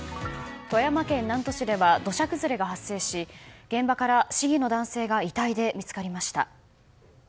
富山県南砺市では土砂崩れが発生し現場から市議の男性が遺体で見つかりました。